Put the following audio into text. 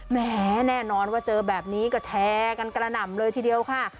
แหมแน่นอนว่าเจอแบบนี้ก็แชร์กันกระหน่ำเลยทีเดียวค่ะ